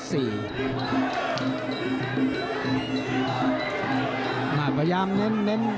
พยายามเน้นเน้น